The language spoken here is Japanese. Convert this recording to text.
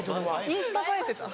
・インスタ映えてた？